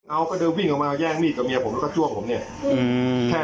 เอาก็เดินวิ่งออกมาแย่งมีดกับเมียผมแล้วก็จ้วงผมเนี่ยอืมแค่